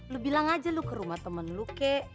lo bilang aja lu ke rumah temen lu kek